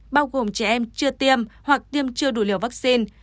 bao gồm trẻ em chưa tiêm hoặc tiêm chưa đủ liều vaccine